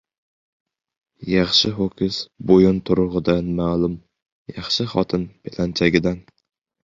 • Yaxshi ho‘kiz bo‘yinturug‘idan ma’lum, yaxshi xotin ― belanchagidan.